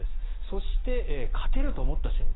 そして、勝てると思った瞬間